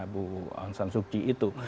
bu aung san suu kyi itu